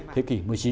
thế kỷ một mươi chín